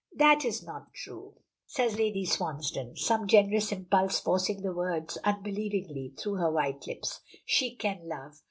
"That is not true," says Lady Swansdown, some generous impulse forcing the words unwillingly through her white lips. "She can love!